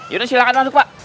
yudha silakan masuk pak